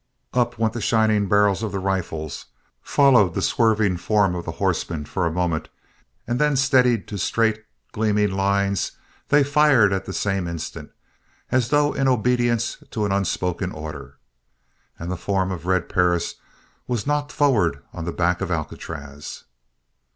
Up went the shining barrels of the rifles, followed the swerving form of the horseman for a moment, and then, steadied to straight, gleaming lines, they fired at the same instant, as though in obedience to an unspoken order. And the form of Red Perris was knocked forward on the back of Alcatraz!